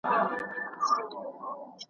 له ازله د خپل ځان په وینو رنګ یو `